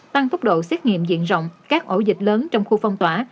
tăng tốc độ xét nghiệm diện rộng các ổ dịch lớn trong khu phong tỏa